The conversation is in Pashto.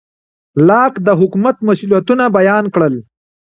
لاک د حکومت مسوولیتونه بیان کړل.